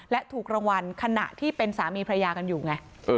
และถูกรางวัลขณะที่เป็นสามีพระยากันอยู่ไง